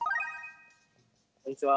こんにちは。